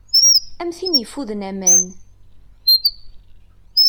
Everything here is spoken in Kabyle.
Am tin yeffuden aman.